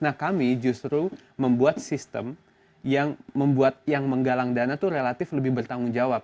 nah kami justru membuat sistem yang membuat yang menggalang dana itu relatif lebih bertanggung jawab